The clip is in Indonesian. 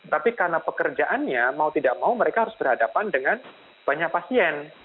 tapi karena pekerjaannya mau tidak mau mereka harus berhadapan dengan banyak pasien